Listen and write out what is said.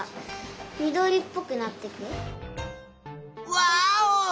ワーオ！